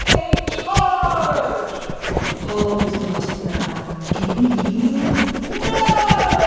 They charge! All is lost now! Do we yield? No!